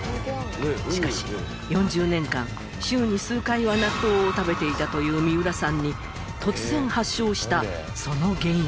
しかし４０年間週に数回は納豆を食べていたという三浦さんに突然発症したその原因は？